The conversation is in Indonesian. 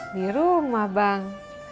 di rumah bang